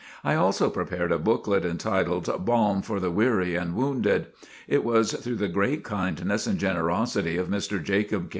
I also prepared a booklet, entitled, "Balm for the Weary and Wounded." It was through the great kindness and generosity of Mr. Jacob K.